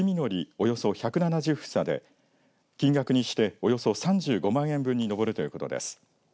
およそ１７０房で金額にしておよそ３５万円分に上るということです。